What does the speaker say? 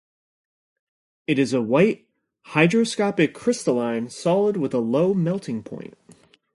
It is a white, hygroscopic crystalline solid with a low melting point.